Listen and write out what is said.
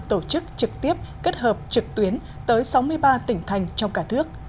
tổ chức trực tiếp kết hợp trực tuyến tới sáu mươi ba tỉnh thành trong cả nước